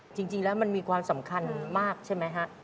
จริงแล้วมันมีความสำคัญมากใช่ไหมฮะ